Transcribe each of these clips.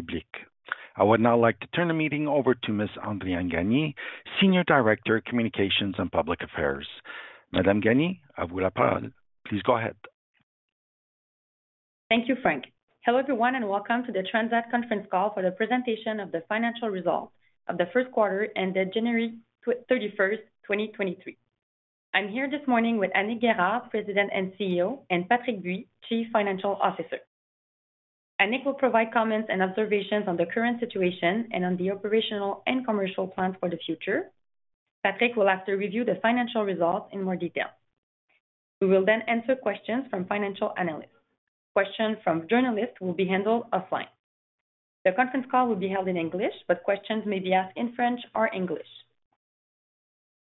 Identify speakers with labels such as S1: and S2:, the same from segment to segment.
S1: Public. I would now like to turn the meeting over to Ms. Andréan Gagné, Senior Director, Communications and Public Affairs. Madam Gagné, à vous la parole. Please go ahead. Thank you, Frank. Hello, everyone, and welcome to the Transat conference call for the presentation of the financial results of the first quarter ended January 31st, 2023. I'm here this morning with Annick Guérard, President and CEO, and Patrick Bui, Chief Financial Officer. Annick will provide comments and observations on the current situation and on the operational and commercial plans for the future. Patrick will after review the financial results in more detail. We will answer questions from financial analysts. Questions from journalists will be handled offline. The conference call will be held in English, questions may be asked in French or English.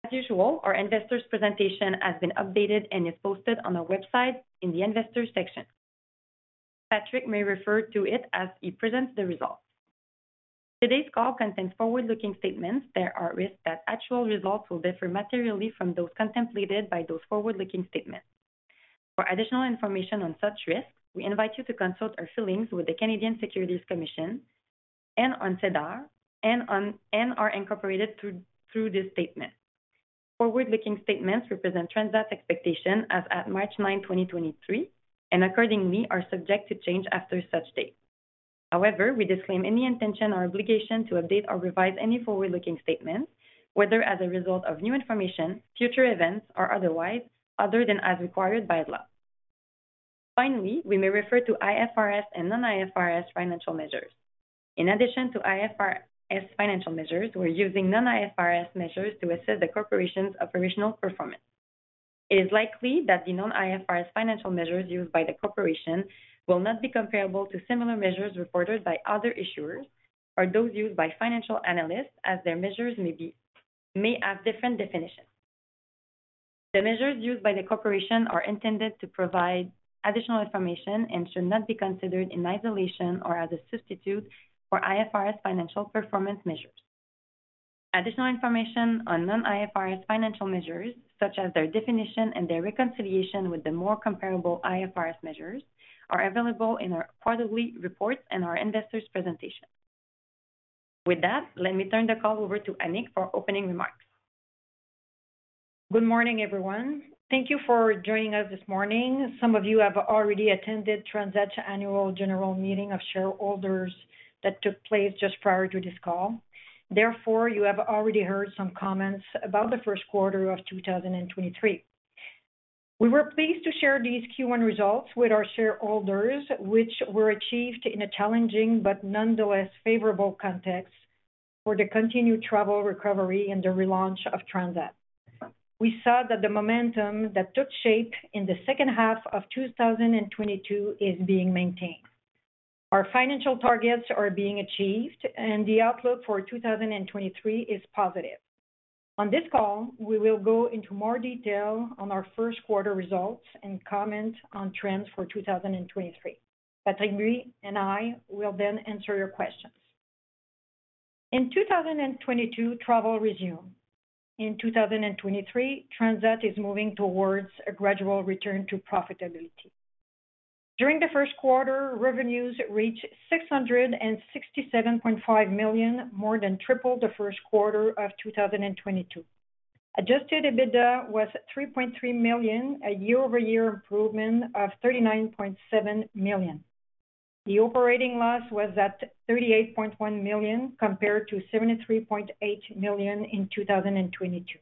S1: As usual, our investors' presentation has been updated and is posted on our website in the Investors section. Patrick may refer to it as he presents the results. Today's call contains forward-looking statements. There are risks that actual results will differ materially from those contemplated by those forward-looking statements. For additional information on such risks, we invite you to consult our filings with the Canadian Securities Administrators and on SEDAR and are incorporated through this statement. Forward-looking statements represent Transat's expectation as at March 9th, 2023, and accordingly are subject to change after such date. However, we disclaim any intention or obligation to update or revise any forward-looking statements, whether as a result of new information, future events or otherwise, other than as required by law. Finally, we may refer to IFRS and non-IFRS financial measures. In addition to IFRS financial measures, we're using non-IFRS measures to assess the corporation's operational performance. It is likely that the non-IFRS financial measures used by the corporation will not be comparable to similar measures reported by other issuers or those used by financial analysts as their measures may have different definitions. The measures used by the corporation are intended to provide additional information and should not be considered in isolation or as a substitute for IFRS financial performance measures. Additional information on non-IFRS financial measures, such as their definition and their reconciliation with the more comparable IFRS measures, are available in our quarterly reports and our investors' presentation. Let me turn the call over to Annick for opening remarks.
S2: Good morning, everyone. Thank you for joining us this morning. Some of you have already attended Transat's Annual General Meeting of shareholders that took place just prior to this call. You have already heard some comments about the first quarter of 2023. We were pleased to share these Q1 results with our shareholders, which were achieved in a challenging but nonetheless favorable context for the continued travel recovery and the relaunch of Transat. We saw that the momentum that took shape in the second half of 2022 is being maintained. Our financial targets are being achieved and the outlook for 2023 is positive. On this call, we will go into more detail on our first quarter results and comment on trends for 2023. Patrick Bui and I will then answer your questions. In 2022, travel resumed. In 2023, Transat is moving towards a gradual return to profitability. During the first quarter, revenues reached 667.5 million, more than triple the first quarter of 2022. Adjusted EBITDA was 3.3 million, a year-over-year improvement of 39.7 million. The operating loss was at 38.1 million compared to 73.8 million in 2022.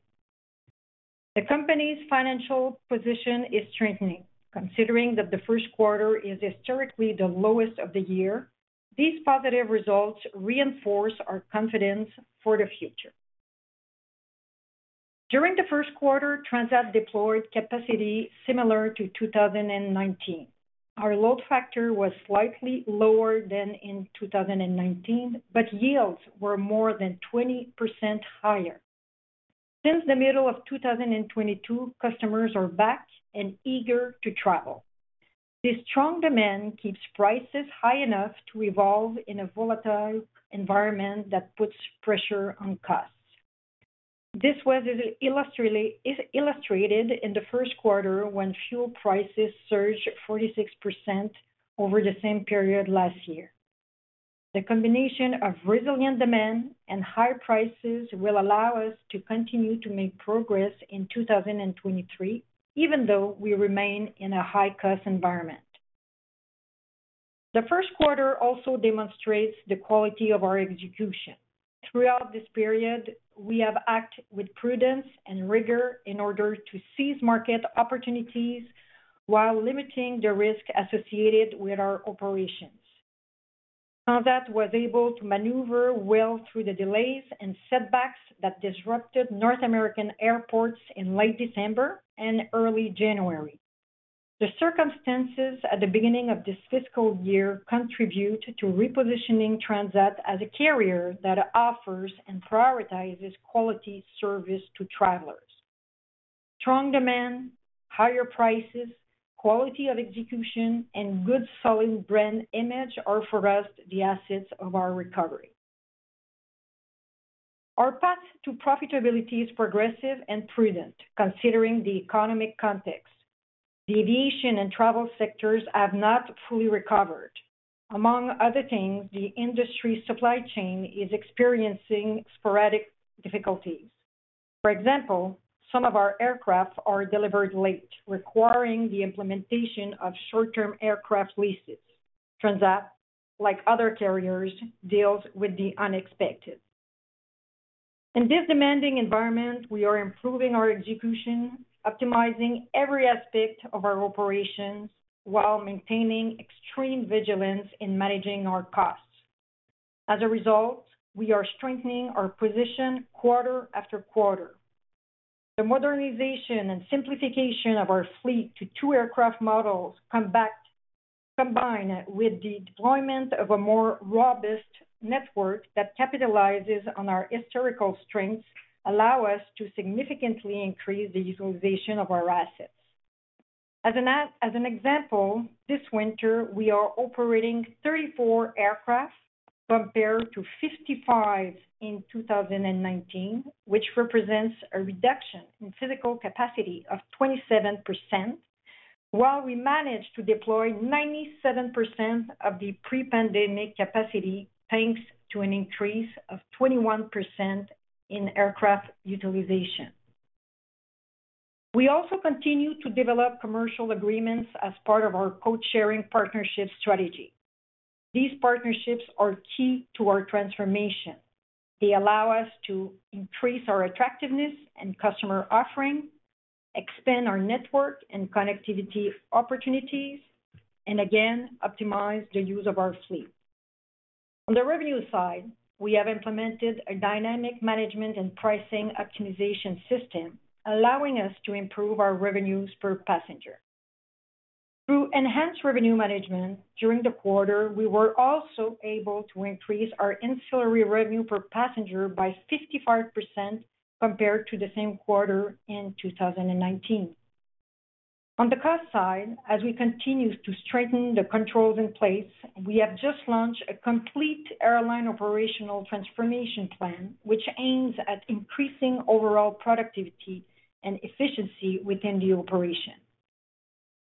S2: The company's financial position is strengthening. Considering that the first quarter is historically the lowest of the year, these positive results reinforce our confidence for the future. During the first quarter, Transat deployed capacity similar to 2019. Our load factor was slightly lower than in 2019, but yields were more than 20% higher. Since the middle of 2022, customers are back and eager to travel. This strong demand keeps prices high enough to evolve in a volatile environment that puts pressure on costs. This was illustrated in the first quarter when fuel prices surged 46% over the same period last year. The combination of resilient demand and high prices will allow us to continue to make progress in 2023, even though we remain in a high-cost environment. The first quarter also demonstrates the quality of our execution. Throughout this period, we have acted with prudence and rigor in order to seize market opportunities while limiting the risk associated with our operations. Transat was able to maneuver well through the delays and setbacks that disrupted North American airports in late December and early January. The circumstances at the beginning of this fiscal year contribute to repositioning Transat as a carrier that offers and prioritizes quality service to travelers. Strong demand, higher prices, quality of execution, and good solid brand image are for us the assets of our recovery. Our path to profitability is progressive and prudent considering the economic context. The aviation and travel sectors have not fully recovered. Among other things, the industry supply chain is experiencing sporadic difficulties. For example, some of our aircraft are delivered late, requiring the implementation of short-term aircraft leases. Transat, like other carriers, deals with the unexpected. In this demanding environment, we are improving our execution, optimizing every aspect of our operations while maintaining extreme vigilance in managing our costs. As a result, we are strengthening our position quarter-after-quarter. The modernization and simplification of our fleet to two aircraft models combined with the deployment of a more robust network that capitalizes on our historical strengths, allow us to significantly increase the utilization of our assets. As an example, this winter we are operating 34 aircraft compared to 55 in 2019, which represents a reduction in physical capacity of 27%, while we managed to deploy 97% of the pre-pandemic capacity, thanks to an increase of 21% in aircraft utilization. We also continue to develop commercial agreements as part of our code sharing partnership strategy. These partnerships are key to our transformation. They allow us to increase our attractiveness and customer offering, expand our network and connectivity opportunities, again, optimize the use of our fleet. On the revenue side, we have implemented a dynamic management and pricing optimization system, allowing us to improve our revenues per passenger. Through enhanced revenue management during the quarter, we were also able to increase our ancillary revenue per passenger by 55% compared to the same quarter in 2019. On the cost side, as we continue to strengthen the controls in place, we have just launched a complete airline operational transformation plan, which aims at increasing overall productivity and efficiency within the operation.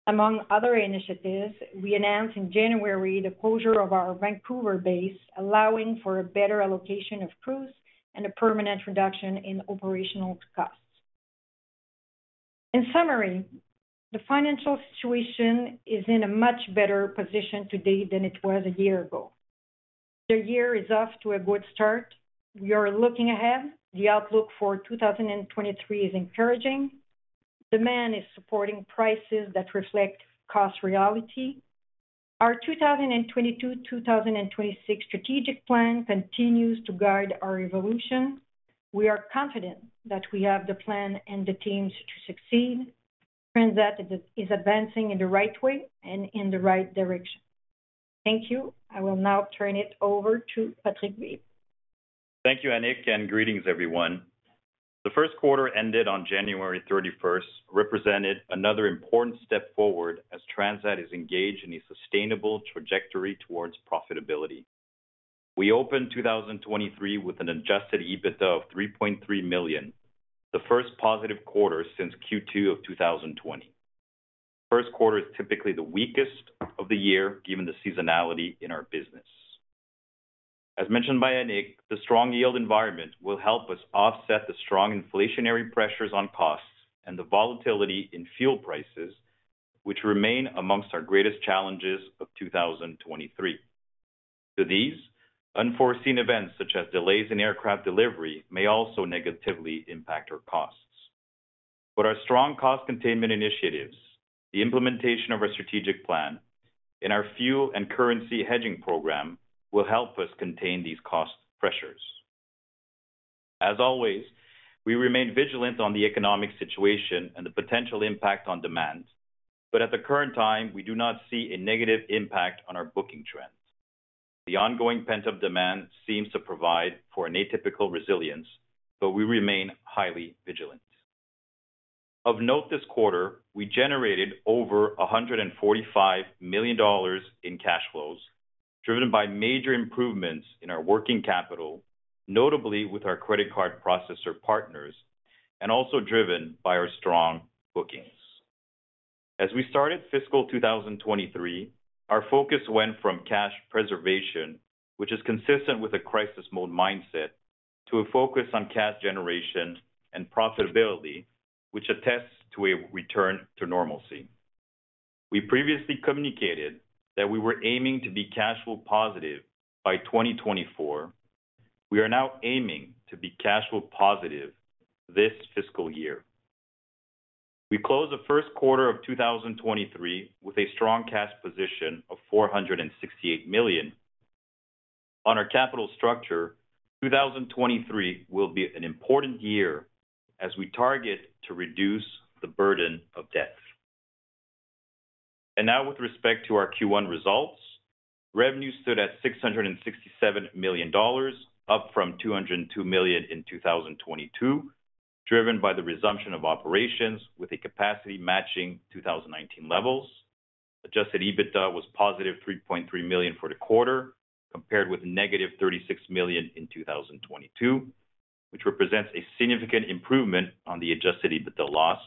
S2: Among other initiatives, we announced in January the closure of our Vancouver base, allowing for a better allocation of crews and a permanent reduction in operational costs. In summary, the financial situation is in a much better position today than it was a year ago. The year is off to a good start. We are looking ahead. The outlook for 2023 is encouraging. Demand is supporting prices that reflect cost reality. Our 2022-2026 strategic plan continues to guide our evolution. We are confident that we have the plan and the teams to succeed. Transat is advancing in the right way and in the right direction. Thank you. I will now turn it over to Patrick Bui.
S3: Thank you, Annick. Greetings, everyone. The first quarter ended on January 31st represented another important step forward as Transat is engaged in a sustainable trajectory towards profitability. We opened 2023 with an adjusted EBITDA of 3.3 million, the first positive quarter since Q2 of 2020. First quarter is typically the weakest of the year given the seasonality in our business. As mentioned by Annick, the strong yield environment will help us offset the strong inflationary pressures on costs and the volatility in fuel prices, which remain amongst our greatest challenges of 2023. To these unforeseen events, such as delays in aircraft delivery, may also negatively impact our costs. Our strong cost containment initiatives, the implementation of our strategic plan, and our fuel and currency hedging program will help us contain these cost pressures. As always, we remain vigilant on the economic situation and the potential impact on demand, but at the current time, we do not see a negative impact on our booking trends. The ongoing pent-up demand seems to provide for an atypical resilience, but we remain highly vigilant. Of note this quarter, we generated over 145 million dollars in cash flows, driven by major improvements in our working capital, notably with our credit card processor partners and also driven by our strong bookings. As we started fiscal 2023, our focus went from cash preservation, which is consistent with a crisis mode mindset, to a focus on cash generation and profitability, which attests to a return to normalcy. We previously communicated that we were aiming to be cash flow positive by 2024. We are now aiming to be cash flow positive this fiscal year. We closed the first quarter of 2023 with a strong cash position of 468 million. On our capital structure, 2023 will be an important year as we target to reduce the burden of debt. Now with respect to our Q1 results, revenue stood at 667 million dollars, up from 202 million in 2022, driven by the resumption of operations with a capacity matching 2019 levels. Adjusted EBITDA was +3.3 million for the quarter compared with -36 million in 2022, which represents a significant improvement on the adjusted EBITDA loss.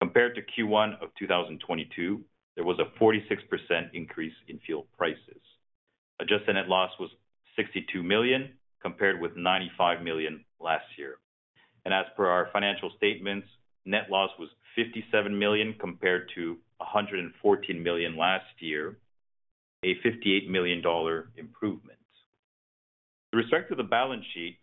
S3: Compared to Q1 of 2022, there was a 46% increase in fuel prices. Adjusted net loss was 62 million, compared with 95 million last year. As per our financial statements, net loss was 57 million compared to 114 million last year, a 58 million dollar improvement. With respect to the balance sheet,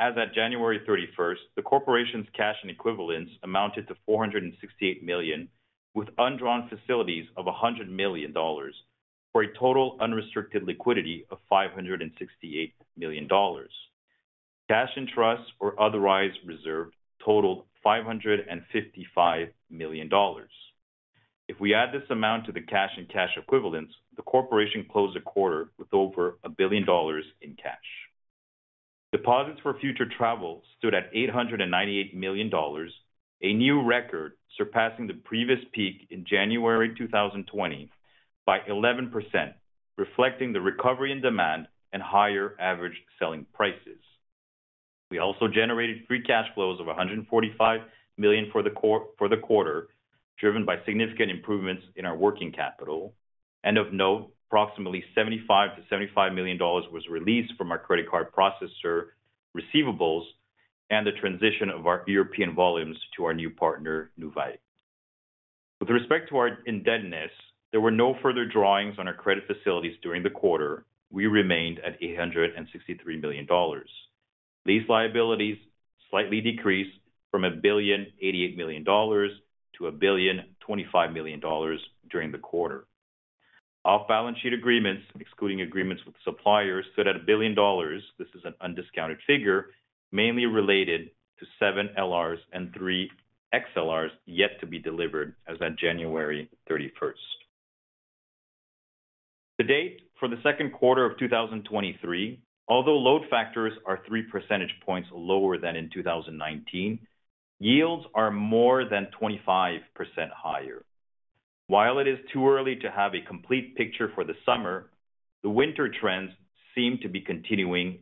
S3: as at January 31st, the corporation's cash and equivalents amounted to 468 million, with undrawn facilities of 100 million dollars, for a total unrestricted liquidity of 568 million dollars. Cash and trusts or otherwise reserved totaled 555 million dollars. If we add this amount to the cash and cash equivalents, the corporation closed a quarter with over 1 billion dollars in cash. Deposits for future travel stood at 898 million dollars, a new record surpassing the previous peak in January 2020 by 11%, reflecting the recovery in demand and higher average selling prices. We also generated free cash flows of 145 million for the quarter, driven by significant improvements in our working capital. Of note, approximately 75 million dollars was released from our credit card processor receivables and the transition of our European volumes to our new partner, Nuvei. With respect to our indebtedness, there were no further drawings on our credit facilities during the quarter. We remained at 863 million dollars. lease liabilities slightly decreased from 1.088 billion to 1.025 billion during the quarter. Off-balance sheet agreements, excluding agreements with suppliers, stood at 1 billion dollars, this is an undiscounted figure, mainly related to seven A321LRs and three A321XLRs yet to be delivered as of January 31st. To date, for the second quarter of 2023, although load factors are 3 percentage points lower than in 2019, yields are more than 25% higher. While it is too early to have a complete picture for the summer, the winter trends seem to be continuing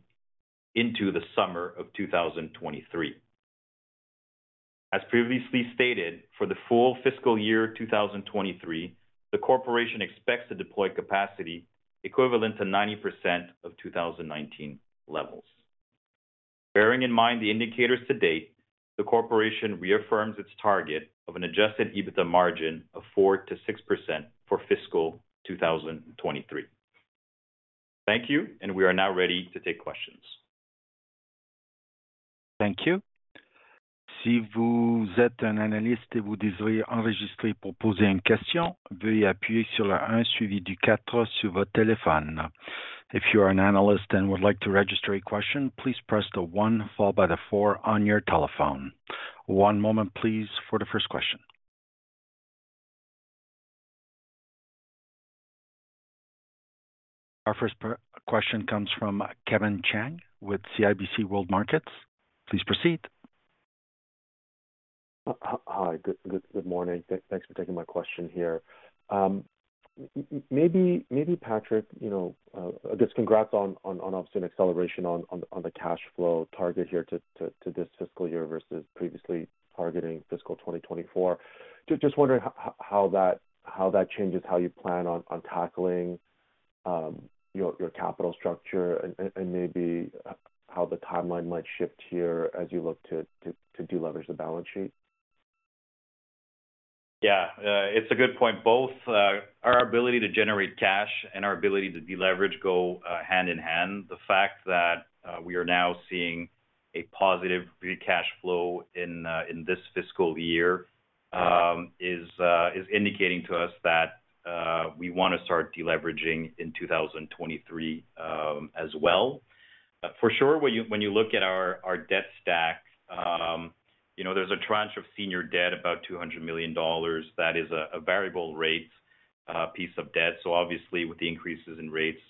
S3: into the summer of 2023. As previously stated, for the full fiscal year 2023, the corporation expects to deploy capacity equivalent to 90% of 2019 levels. Bearing in mind the indicators to date, the corporation reaffirms its target of an adjusted EBITDA margin of 4%-6% for fiscal 2023. Thank you. We are now ready to take questions.
S4: Thank you. If you are an analyst and would like to register a question, please press the one followed by the four on your telephone. One moment please for the first question. Our first question comes from Kevin Chiang with CIBC World Markets. Please proceed.
S5: Hi. Good morning. Thanks for taking my question here. Maybe Patrick, you know, I guess congrats on obviously an acceleration on the cash flow target here to this fiscal year versus previously targeting fiscal 2024. Just wondering how that changes how you plan on tackling your capital structure and maybe how the timeline might shift here as you look to deleverage the balance sheet.
S3: Yeah. It's a good point, both our ability to generate cash and our ability to deleverage go hand in hand. The fact that we are now seeing a positive free cash flow in this fiscal year is indicating to us that we wanna start deleveraging in 2023 as well. For sure, when you look at our debt stack, you know, there's a tranche of senior debt, about 200 million dollars, that is a variable rate piece of debt. Obviously with the increases in rates,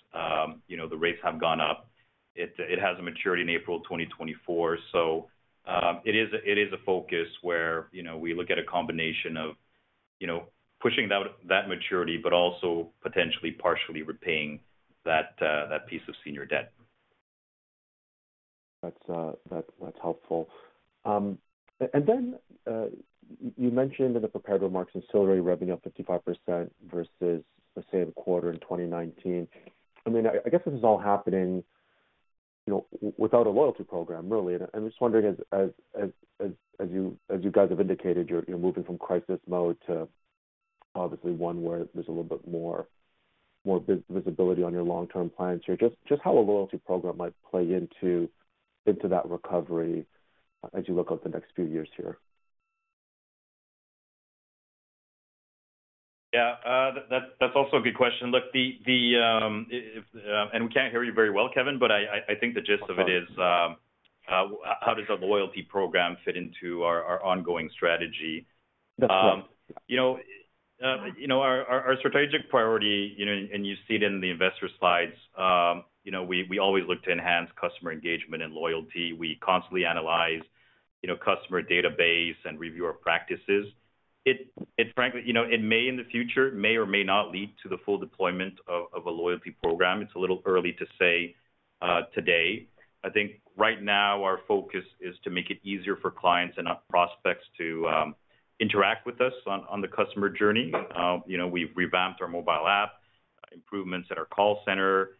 S3: you know, the rates have gone up. It has a maturity in April 2024. It is a focus where, you know, we look at a combination of, you know, pushing that maturity, but also potentially partially repaying that piece of senior debt.
S5: That's, that's helpful. Then, you mentioned in the prepared remarks ancillary revenue up 55% versus the same quarter in 2019. I mean, I guess this is all happening, you know, without a loyalty program really. I'm just wondering as you guys have indicated, you're moving from crisis mode to obviously one where there's a little bit more visibility on your long-term plans here, just how a loyalty program might play into that recovery as you look out the next few years here.
S3: Yeah. That's also a good question. Look, we can't hear you very well, Kevin, but I think the gist of it is, how does a loyalty program fit into our ongoing strategy?
S5: That's right.
S3: You know, you know, our strategic priority, you know, and you see it in the investor slides, you know, we always look to enhance customer engagement and loyalty. We constantly analyze, you know, customer database and review our practices. Frankly, you know, it may in the future, may or may not lead to the full deployment of a loyalty program. It's a little early to say today, I think right now our focus is to make it easier for clients and our prospects to interact with us on the customer journey. You know, we've revamped our mobile app, improvements at our call center,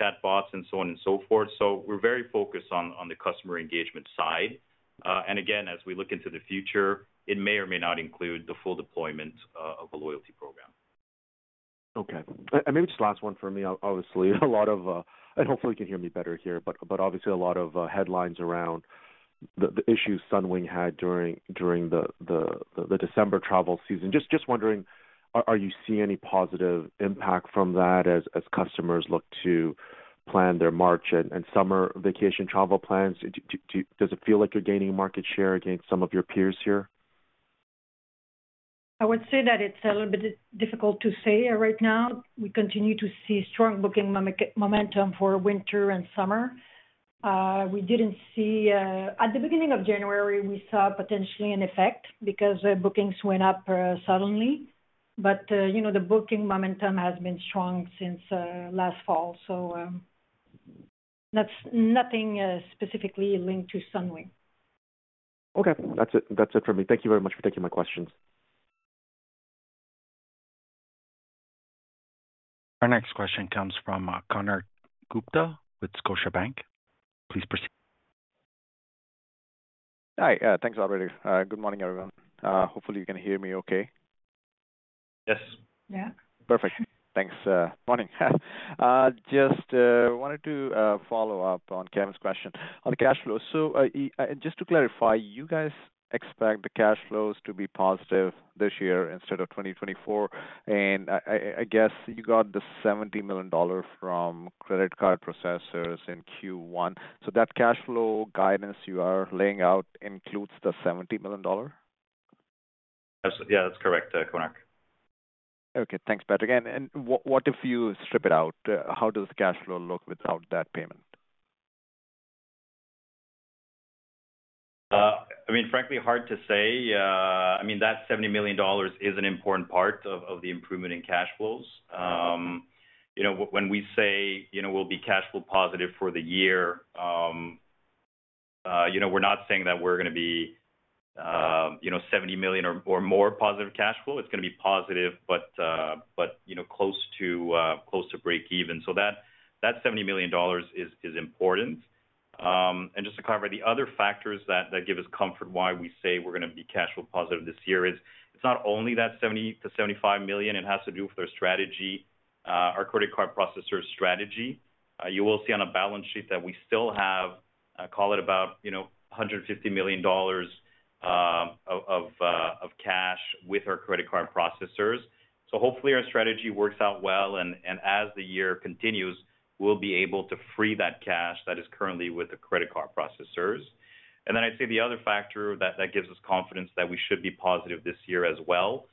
S3: chatbots and so on and so forth. We're very focused on the customer engagement side. Again, as we look into the future, it may or may not include the full deployment of a loyalty program.
S5: Okay. Maybe just last one for me. Obviously, a lot of and hopefully you can hear me better here, but obviously a lot of headlines around the issues Sunwing had during the December travel season. Just wondering, are you seeing any positive impact from that as customers look to plan their March and summer vacation travel plans? Does it feel like you're gaining market share against some of your peers here?
S2: I would say that it's a little bit difficult to say right now. We continue to see strong booking momentum for winter and summer. We didn't see. At the beginning of January, we saw potentially an effect because bookings went up suddenly. You know, the booking momentum has been strong since last fall. That's nothing specifically linked to Sunwing.
S5: That's it, that's it for me. Thank you very much for taking my questions.
S4: Our next question comes from Konark Gupta with Scotiabank. Please proceed.
S6: Hi. Thanks, operator. Good morning, everyone. Hopefully you can hear me okay.
S3: Yes.
S2: Yeah.
S6: Perfect. Thanks. Morning. Just wanted to follow up on Kevin's question on cash flow. Just to clarify, you guys expect the cash flows to be positive this year instead of 2024? I guess you got the 70 million dollars from credit card processors in Q1. That cash flow guidance you are laying out includes the 70 million dollar?
S3: Yeah, that's correct, Konark.
S6: Okay. Thanks, Patrick. And what if you strip it out, how does the cash flow look without that payment?
S3: I mean, frankly, hard to say. I mean, that 70 million dollars is an important part of the improvement in cash flows. You know, when we say, you know, we'll be cash flow positive for the year, you know, we're not saying that we're gonna be, you know, 70 million or more positive cash flow. It's gonna be positive, but, you know, close to breakeven. That 70 million dollars is important. Just to cover the other factors that give us comfort why we say we're gonna be cash flow positive this year is, it's not only that 70 million-75 million, it has to do with our strategy, our credit card processor strategy. You will see on a balance sheet that we still have, call it about, you know, 150 million dollars of cash with our credit card processors. Hopefully our strategy works out well and as the year continues, we'll be able to free that cash that is currently with the credit card processors. Then I'd say the other factor that gives us confidence that we should be positive this year as well,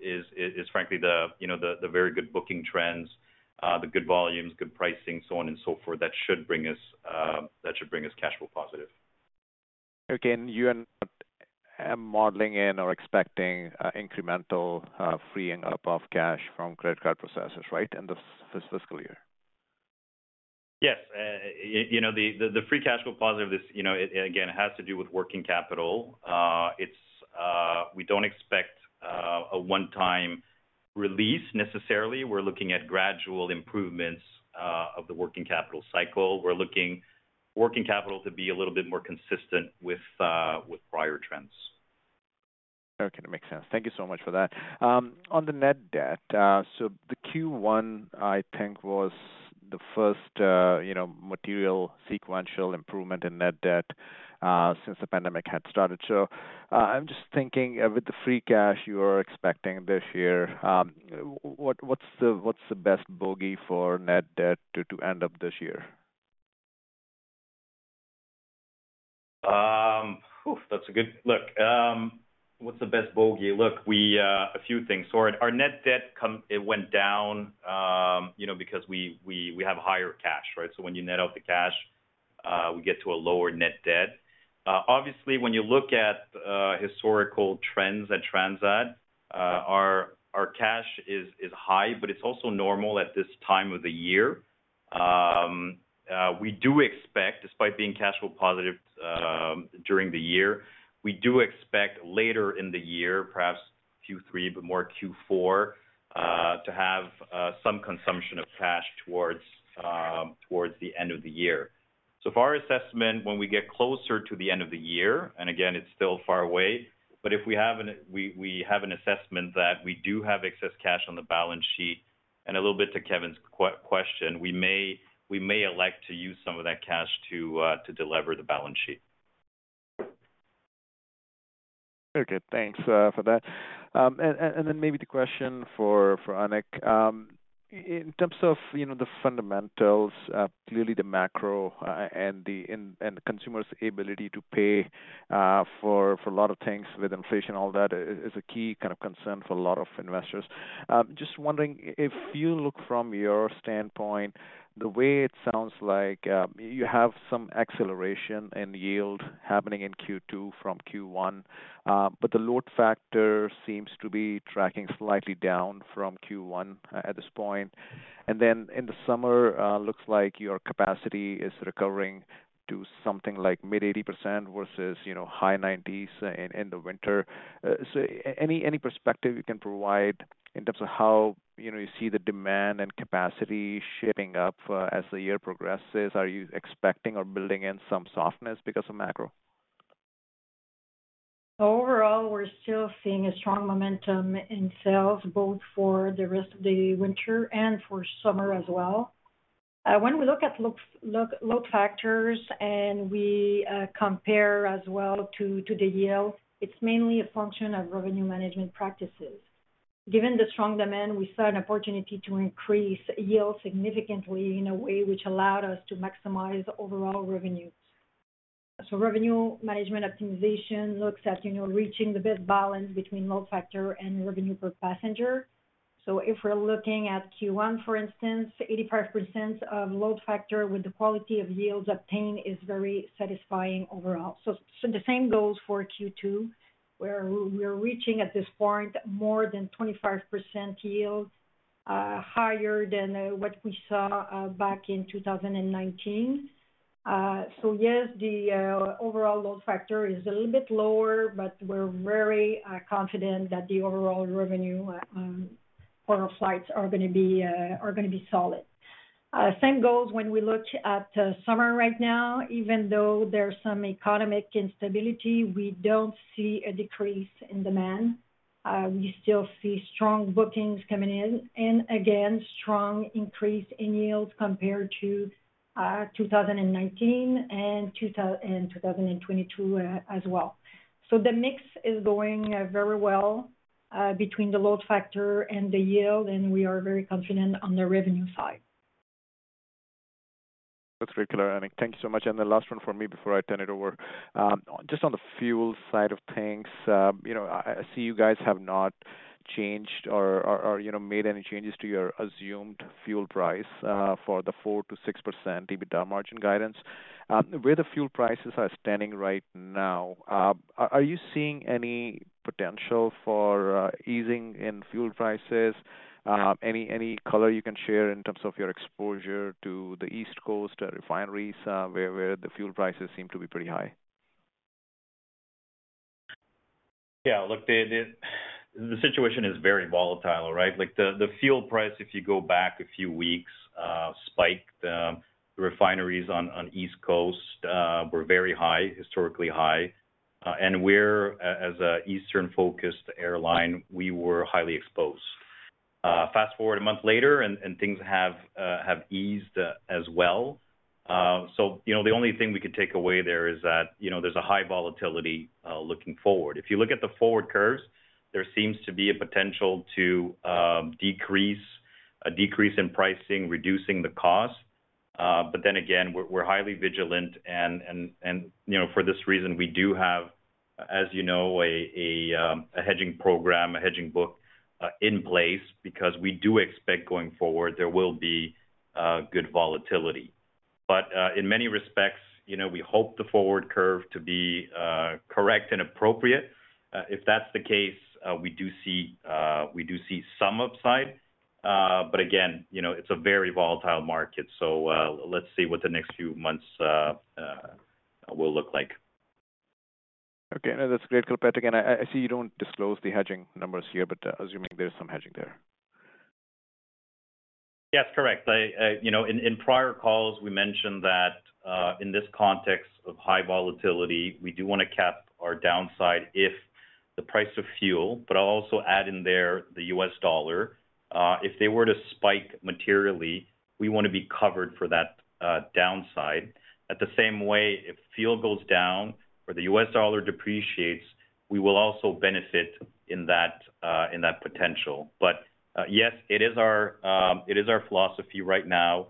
S3: is frankly the, you know, the very good booking trends, the good volumes, good pricing, so on and so forth, that should bring us cash flow positive.
S6: Okay. You are not modeling in or expecting incremental freeing up of cash from credit card processors, right, in this fiscal year?
S3: Yes. you know, the free cash flow positive this, you know, again, has to do with working capital. it's, we don't expect, a one-time release necessarily. We're looking at gradual improvements of the working capital cycle. We're looking working capital to be a little bit more consistent with prior trends.
S6: Okay. That makes sense. Thank you so much for that. On the net debt, the Q1, I think was the first, you know, material sequential improvement in net debt, since the pandemic had started. I'm just thinking with the free cash you are expecting this year, what's the best bogey for net debt to end up this year?
S3: That's a good. What's the best bogey? We a few things. Our net debt went down, you know, because we have higher cash, right? When you net out the cash, we get to a lower net debt. Obviously, when you look at historical trends at Transat, our cash is high, but it's also normal at this time of the year. We do expect, despite being cash flow positive, during the year, we do expect later in the year, perhaps Q3, but more Q4, to have some consumption of cash towards the end of the year. So for assessment, when we get closer to the end of the year, and again, it's still far away, but if we have an assessment that we do have excess cash on the balance sheet, and a little bit to Kevin's question, we may elect to use some of that cash to delever the balance sheet.
S6: Very good. Thanks for that. Then maybe the question for Annick. In terms of, you know, the fundamentals, clearly the macro, and the consumer's ability to pay for a lot of things with inflation, all that is a key kind of concern for a lot of investors. Just wondering if you look from your standpoint, the way it sounds like, you have some acceleration in yield happening in Q2 from Q1, but the load factor seems to be tracking slightly down from Q1 at this point. In the summer, looks like your capacity is recovering to something like mid 80% versus, you know, high 90s in the winter. Any perspective you can provide in terms of how, you know, you see the demand and capacity shaping up as the year progresses. Are you expecting or building in some softness because of macro?
S2: Overall, we're still seeing a strong momentum in sales, both for the rest of the winter and for summer as well. When we look at load factors and we compare as well to the yield, it's mainly a function of revenue management practices. Given the strong demand, we saw an opportunity to increase yield significantly in a way which allowed us to maximize overall revenues. Revenue management optimization looks at, you know, reaching the best balance between load factor and revenue per passenger. If we're looking at Q1, for instance, 85% of load factor with the quality of yields obtained is very satisfying overall. The same goes for Q2, where we are reaching at this point more than 25% yield higher than what we saw back in 2019. Yes, the overall load factor is a little bit lower, but we're very confident that the overall revenue for our flights are gonna be solid. Same goes when we look at summer right now. Even though there's some economic instability, we don't see a decrease in demand. We still see strong bookings coming in and again, strong increase in yields compared to 2019 and 2022 as well. The mix is going very well between the load factor and the yield, and we are very confident on the revenue side.
S6: That's very clear, Annick. Thank you so much. The last one for me before I turn it over. Just on the fuel side of things, you know, I see you guys have not changed or, you know, made any changes to your assumed fuel price for the 4%-6% EBITDA margin guidance. Where the fuel prices are standing right now, are you seeing any potential for easing in fuel prices? Any color you can share in terms of your exposure to the East Coast refineries, where the fuel prices seem to be pretty high.
S3: Yeah, look, the situation is very volatile, right? Like the fuel price, if you go back a few weeks, spiked. The refineries on East Coast were very high, historically high. We're as a Eastern-focused airline, we were highly exposed. Fast-forward a month later and things have eased as well. You know, the only thing we could take away there is that, you know, there's a high volatility looking forward. If you look at the forward curves, there seems to be a potential to a decrease in pricing, reducing the cost. Then again, we're highly vigilant and, you know, for this reason, we do have, as you know, a hedging program, a hedging book in place because we do expect going forward there will be good volatility. In many respects, you know, we hope the forward curve to be correct and appropriate. If that's the case, we do see some upside. Again, you know, it's a very volatile market. Let's see what the next few months will look like.
S6: Okay. No, that's great color. Again, I see you don't disclose the hedging numbers here, but assuming there's some hedging there.
S3: Yes, correct. I, you know, in prior calls, we mentioned that in this context of high volatility, we do wanna cap our downside if the price of fuel, I'll also add in there the U.S. dollar, if they were to spike materially, we wanna be covered for that downside. At the same way, if fuel goes down or the U.S. dollar depreciates, we will also benefit in that in that potential. Yes, it is our, it is our philosophy right now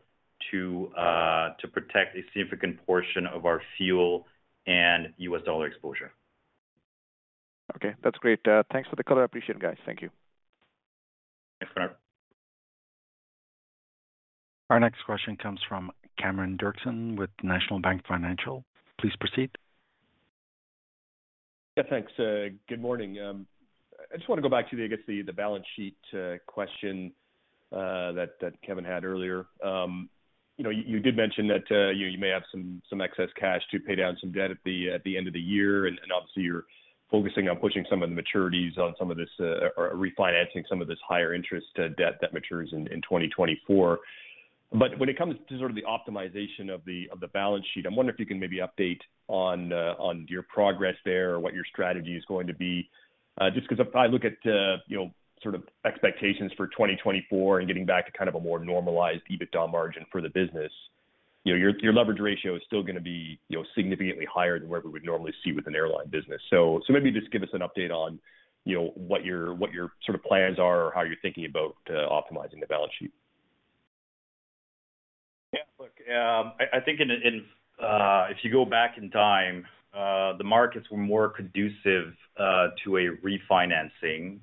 S3: to protect a significant portion of our fuel and U.S. dollar exposure.
S6: Okay, that's great. Thanks for the color. I appreciate it, guys. Thank you.
S3: Thanks, Konark.
S4: Our next question comes from Cameron Doerksen with National Bank Financial. Please proceed.
S7: Yeah, thanks. Good morning. I just wanna go back to the, I guess, the balance sheet question that Kevin had earlier. You know, you did mention that you may have some excess cash to pay down some debt at the end of the year, and obviously you're focusing on pushing some of the maturities on some of this or refinancing some of this higher interest debt that matures in 2024. When it comes to sort of the optimization of the balance sheet, I'm wondering if you can maybe update on your progress there or what your strategy is going to be. Just 'cause if I look at, you know, sort of expectations for 2024 and getting back to kind of a more normalized EBITDA margin for the business. You know, your leverage ratio is still gonna be, you know, significantly higher than what we would normally see with an airline business. Maybe just give us an update on, you know, what your, what your sort of plans are or how you're thinking about optimizing the balance sheet?
S3: Yeah. Look, I think in if you go back in time, the markets were more conducive to a refinancing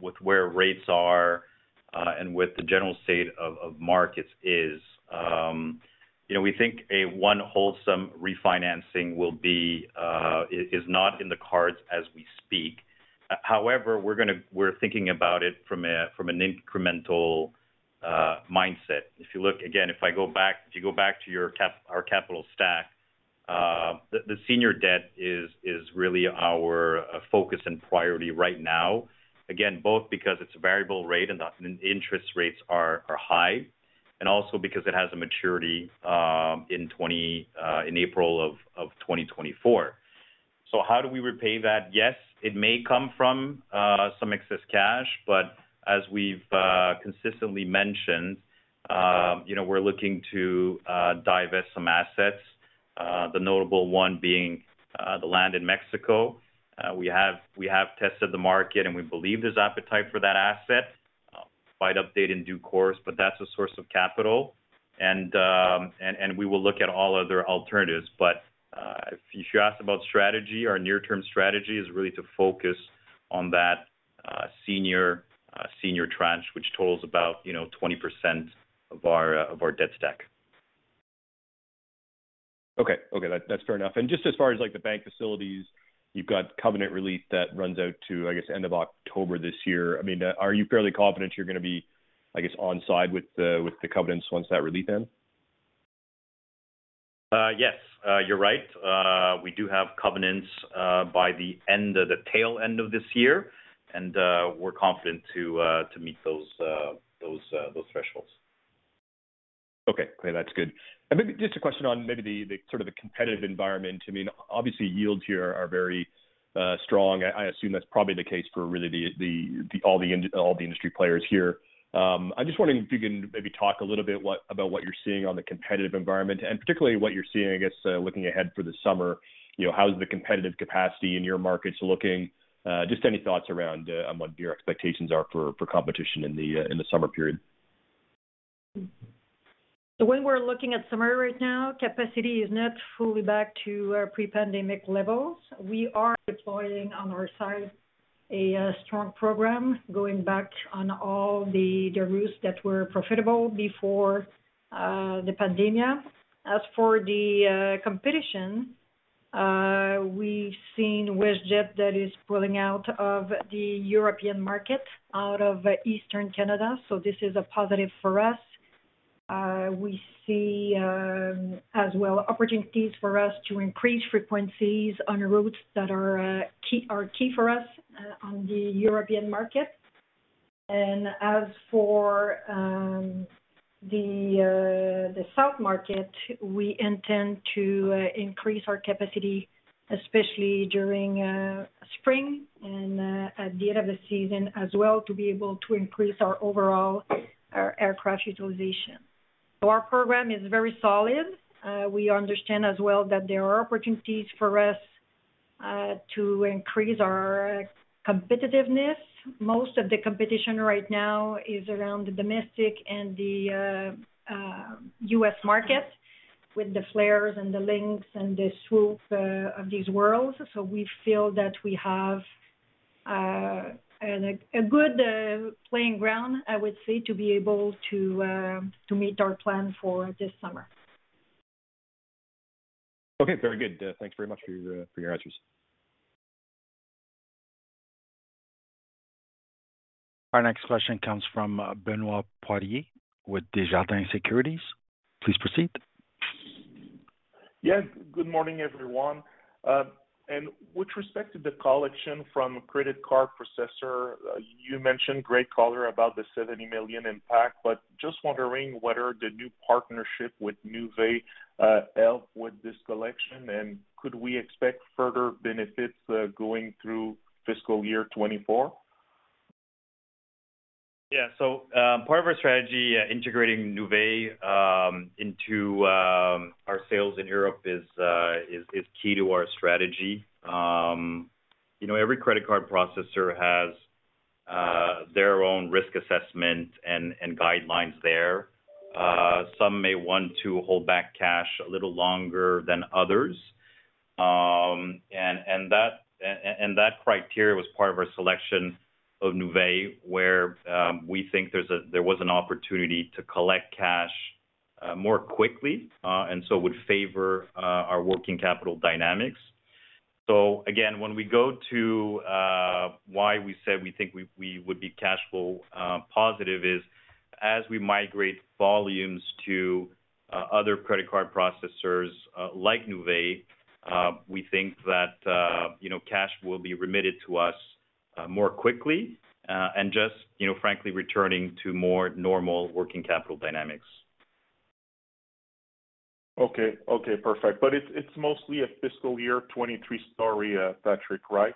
S3: with where rates are and with the general state of markets is. You know, we think a one wholesome refinancing will be, is not in the cards as we speak. However, we're thinking about it from a from an incremental mindset. If you look again, if you go back to our capital stack, the senior debt is really our focus and priority right now. Again, both because it's a variable rate and the interest rates are high, and also because it has a maturity in April of 2024. How do we repay that? Yes, it may come from some excess cash, but as we've consistently mentioned, you know, we're looking to divest some assets, the notable one being the land in Mexico. We have tested the market, and we believe there's appetite for that asset. Might update in due course, but that's a source of capital. We will look at all other alternatives. If you asked about strategy, our near-term strategy is really to focus on that senior tranche, which totals about, you know, 20% of our debt stack.
S7: Okay. Okay, that's fair enough. Just as far as like the bank facilities, you've got covenant relief that runs out to, I guess, end of October this year. I mean, are you fairly confident you're gonna be, I guess, on side with the, with the covenants once that relief ends?
S3: Yes. You're right. We do have covenants, by the end of the tail end of this year, and we're confident to meet those thresholds.
S7: Okay. Okay, that's good. Maybe just a question on the sort of the competitive environment. I mean, obviously yields here are very strong. I assume that's probably the case for really the all the industry players here. I'm just wondering if you can maybe talk a little bit about what you're seeing on the competitive environment and particularly what you're seeing, I guess, looking ahead for the summer. You know, how's the competitive capacity in your markets looking? Just any thoughts around on what your expectations are for for competition in the summer period.
S2: When we're looking at summer right now, capacity is not fully back to our pre-pandemic levels. We are deploying on our side a strong program going back on all the routes that were profitable before the pandemic. As for the competition, we've seen WestJet that is pulling out of the European market out of Eastern Canada. This is a positive for us. We see as well opportunities for us to increase frequencies on routes that are key for us on the European market. As for the south market, we intend to increase our capacity, especially during spring and at the end of the season as well to be able to increase our overall aircraft utilization. Our program is very solid. We understand as well that there are opportunities for us to increase our competitiveness. Most of the competition right now is around the domestic and the U.S. market with Flair and Lynx and Swoop of these worlds. We feel that we have a good playing ground, I would say, to be able to meet our plan for this summer.
S7: Okay, very good. Thanks very much for your, for your answers.
S4: Our next question comes from, Benoit Poirier with Desjardins Securities. Please proceed.
S8: Yes. Good morning, everyone. With respect to the collection from credit card processor, you mentioned great color about the 70 million impact, but just wondering whether the new partnership with Nuvei helps with this collection. Could we expect further benefits going through fiscal year 2024?
S3: Part of our strategy, integrating Nuvei, into our sales in Europe is key to our strategy. You know, every credit card processor has their own risk assessment and guidelines there. Some may want to hold back cash a little longer than others. That criteria was part of our selection of Nuvei, where we think there was an opportunity to collect cash more quickly, and so would favor our working capital dynamics. Again, when we go to why we said we think we would be cash flow positive is as we migrate volumes to other credit card processors like Nuvei, we think that, you know, cash will be remitted to us more quickly, and just, you know, frankly, returning to more normal working capital dynamics.
S8: Okay, perfect. It's mostly a fiscal year 2023 story, Patrick, right?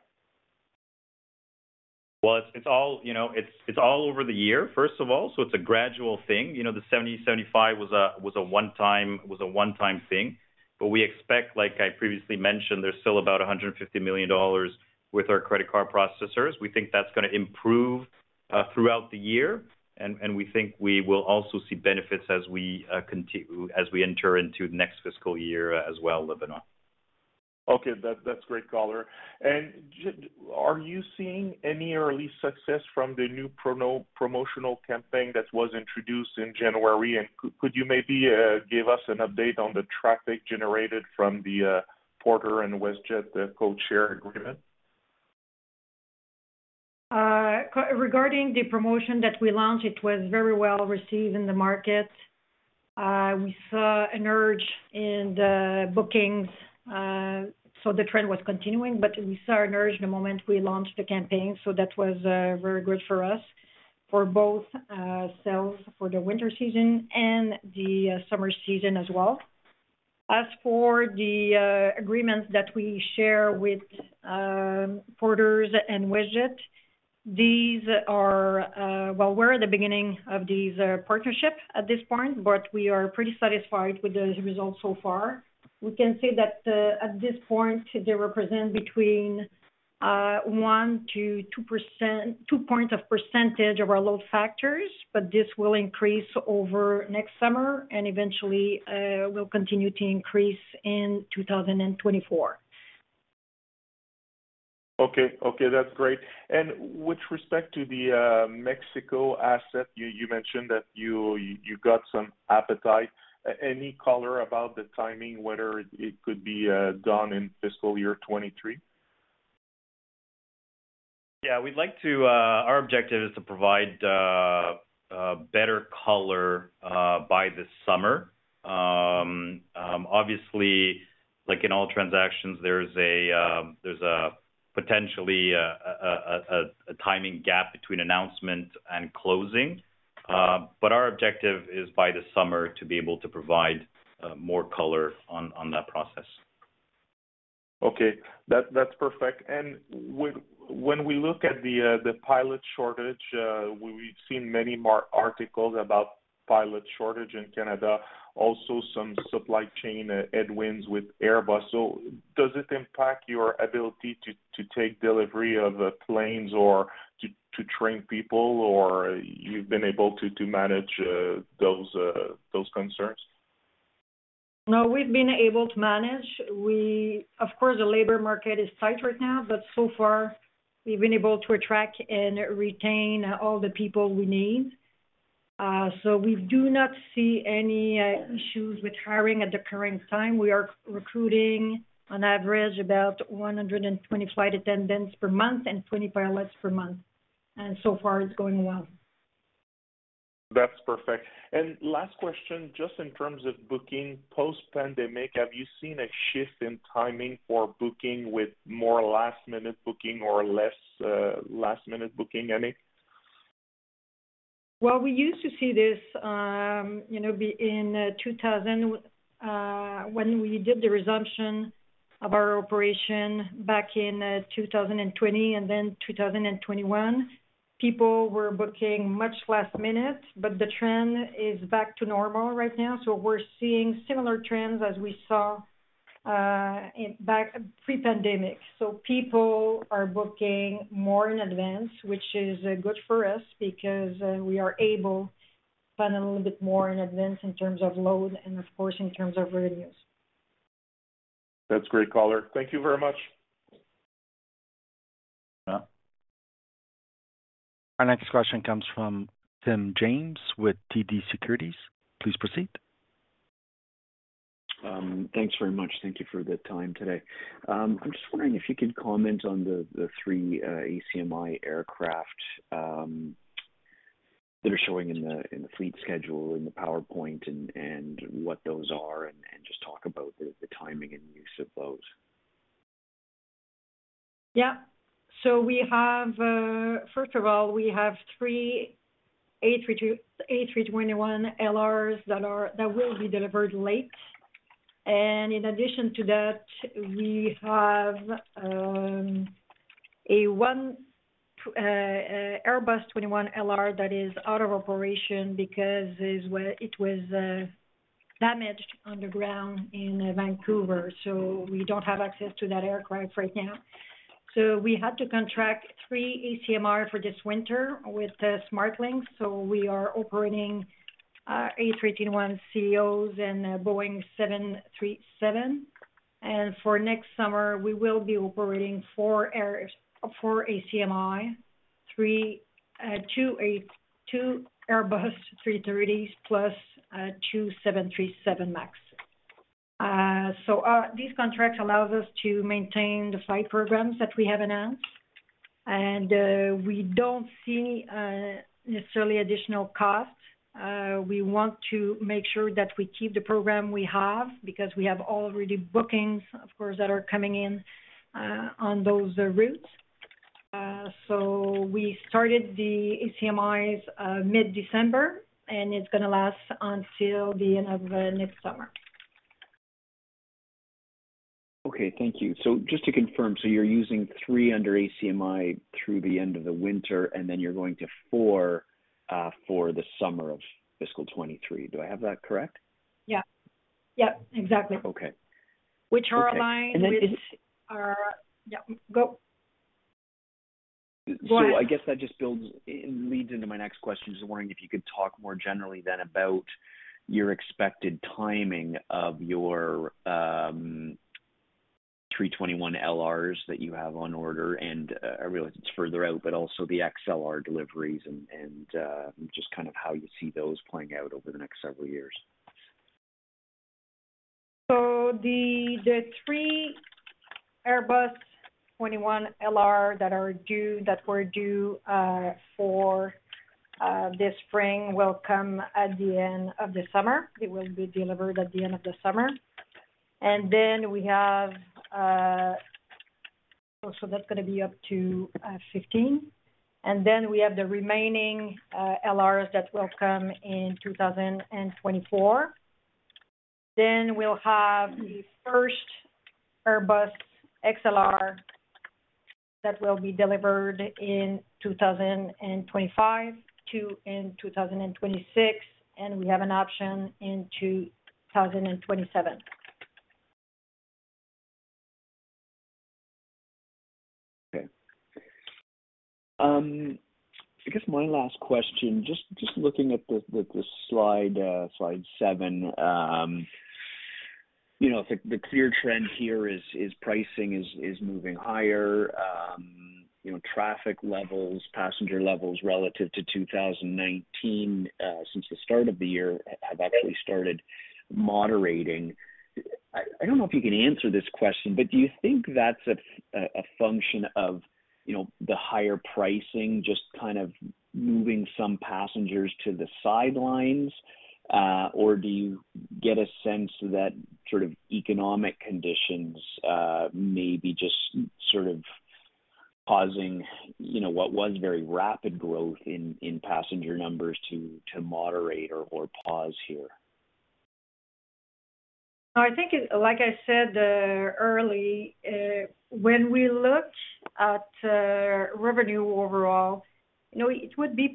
S3: Well, it's all, you know, it's all over the year, first of all, so it's a gradual thing. You know, the 70 million, 75 million was a one-time thing. We expect, like I previously mentioned, there's still about 150 million dollars with our credit card processors. We think that's gonna improve throughout the year. We think we will also see benefits as we enter into next fiscal year as well, Benoit.
S8: Okay. That's great color. Are you seeing any early success from the new promotional campaign that was introduced in January? Could you maybe give us an update on the traffic generated from the Porter and WestJet, the codeshare agreement?
S2: Regarding the promotion that we launched, it was very well received in the market. We saw an urge in the bookings. The trend was continuing, but we saw an urge the moment we launched the campaign, so that was very good for us for both sales for the winter season and the summer season as well. As for the agreements that we share with Porter and WestJet, we're at the beginning of these partnership at this point, but we are pretty satisfied with the results so far. We can say that at this point, they represent between 1%-2%, 2 points of percentage of our load factors, but this will increase over next summer and eventually will continue to increase in 2024.
S8: Okay. Okay, that's great. With respect to the Mexico asset, you mentioned that you got some appetite. Any color about the timing, whether it could be done in fiscal year 2023?
S3: Yeah. We'd like to, our objective is to provide better color by this summer. Obviously, like in all transactions, there's a potentially a timing gap between announcement and closing. Our objective is by the summer to be able to provide more color on that process.
S8: Okay. That's perfect. When we look at the pilot shortage, we've seen many more articles about pilot shortage in Canada, also some supply chain headwinds with Airbus. Does it impact your ability to take delivery of planes or to train people, or you've been able to manage those concerns?
S2: We've been able to manage. Of course, the labor market is tight right now, so far, we've been able to attract and retain all the people we need. So we do not see any issues with hiring at the current time. We are recruiting on average about 120 flight attendants per month and 20 pilots per month. So far, it's going well.
S8: That's perfect. Last question, just in terms of booking post-pandemic, have you seen a shift in timing for booking with more last-minute booking or less, last-minute booking, any?
S2: We used to see this, you know, be in 2000 when we did the resumption of our operation back in 2020 and then 2021. People were booking much last minute. The trend is back to normal right now. We're seeing similar trends as we saw back pre-pandemic. People are booking more in advance, which is good for us because we are able to plan a little bit more in advance in terms of load and of course, in terms of revenues.
S8: That's great color. Thank you very much.
S3: Yeah.
S4: Our next question comes from Tim James with TD Securities. Please proceed.
S9: Thanks very much. Thank you for the time today. I'm just wondering if you could comment on the three ACMI aircraft that are showing in the fleet schedule in the PowerPoint and what those are and just talk about the timing and use of those.
S2: First of all, we have three A321LRs that will be delivered late. In addition to that, we have one A321LR that is out of operation because is where it was damaged on the ground in Vancouver. We don't have access to that aircraft right now. We had to contract three ACMI for this winter with SmartLynx Airlines. We are operating A321ceos and Boeing 737. For next summer, we will be operating four ACMI, two A330s plus two 737 MAX. These contracts allows us to maintain the flight programs that we have announced, we don't see necessarily additional costs. We want to make sure that we keep the program we have because we have already bookings, of course, that are coming in on those routes. We started the ACMIs mid-December, and it's gonna last until the end of next summer.
S9: Okay. Thank you. Just to confirm, so you're using three under ACMI through the end of the winter, and then you're going to four for the summer of fiscal 2023. Do I have that correct?
S2: Yeah. Yep, exactly.
S9: Okay.
S2: Which are aligned with—
S9: And then if—
S2: Yeah, go. Go ahead.
S9: I guess that just builds and leads into my next question. Just wondering if you could talk more generally then about your expected timing of your A321LRs that you have on order. I realize it's further out, but also the A321XLR deliveries and just kind of how you see those playing out over the next several years.
S2: The three Airbus A321LR that are due, that were due for this spring will come at the end of the summer. They will be delivered at the end of the summer. That's gonna be up to 15. We have the remaining LRs that will come in 2024. We'll have the first Airbus A321XLR that will be delivered in 2025, two in 2026, and we have an option in 2027.
S9: Okay. I guess my last question, just looking at the slide seven. You know, the clear trend here is pricing is moving higher. You know, traffic levels, passenger levels relative to 2019, since the start of the year have actually started moderating. I don't know if you can answer this question, but do you think that's a function of, you know, the higher pricing just kind of moving some passengers to the sidelines? Or do you get a sense that sort of economic conditions may be just sort of causing, you know, what was very rapid growth in passenger numbers to moderate or pause here?
S2: I think, like I said, early, when we look at revenue overall, you know, it would be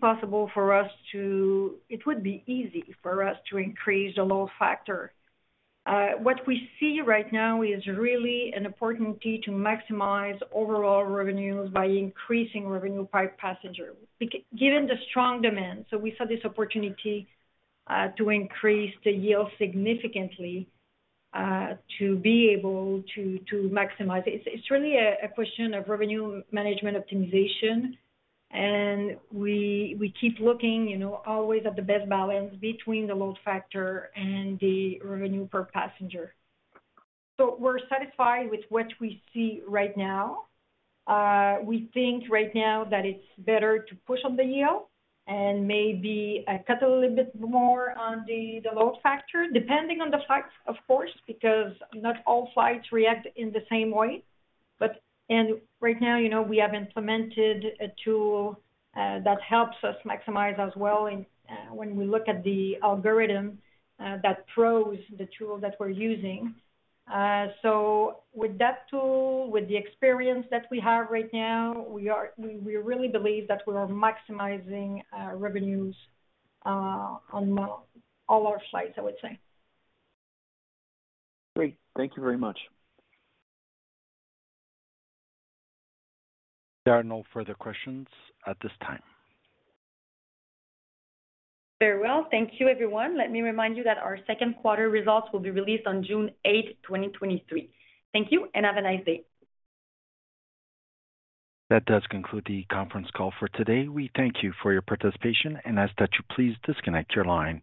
S2: easy for us to increase the load factor. What we see right now is really an opportunity to maximize overall revenues by increasing revenue by passenger. Given the strong demand, we saw this opportunity to increase the yield significantly to be able to maximize it. It's really a question of revenue management optimization. We keep looking, you know, always at the best balance between the load factor and the revenue per passenger. We're satisfied with what we see right now. We think right now that it's better to push on the yield and maybe cut a little bit more on the load factor, depending on the flights, of course, because not all flights react in the same way. Right now, you know, we have implemented a tool that helps us maximize as well in when we look at the algorithm that PROS, the tool that we're using. With that tool, with the experience that we have right now, we really believe that we are maximizing revenues on all our flights, I would say.
S9: Great. Thank you very much.
S4: There are no further questions at this time.
S2: Very well. Thank you everyone. Let me remind you that our second quarter results will be released on June 8th, 2023. Thank you, and have a nice day.
S4: That does conclude the conference call for today. We thank you for your participation and ask that you please disconnect your line.